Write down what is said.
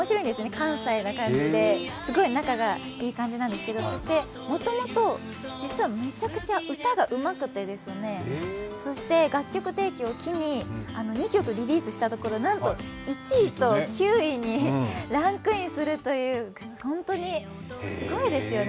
関西な感じで、すごい仲がいい感じなんですけどもともと、実はめちゃくちゃ歌がうまくてそして楽曲提供を機に２曲リリースしたところなんと、１位と９位にランクインするという本当にすごいですよね。